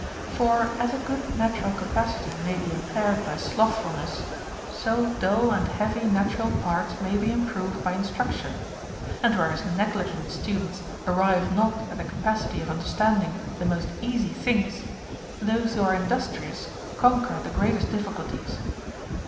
For as a good natural capacity may be impaired by slothfulness, so dull and heavy natural parts may be improved by instruction ; and whereas negligent students arrive not at the capacity of understanding the most easy things, those who are industri ous conquer the greatest difficulties.